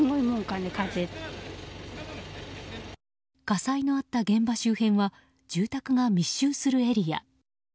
火災のあった現場周辺は住宅が密集するエリア。